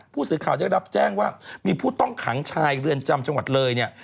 ผู้สื่อข่าวได้รับแจ้งว่ามีผู้ต้องขังชายเรือนจำจังหวัดเลยเนี่ย